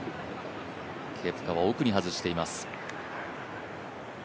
ケプカは奥に外しています。